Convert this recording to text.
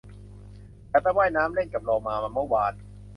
ฉันไปว่ายน้ำเล่นกับโลมามาเมื่อวาน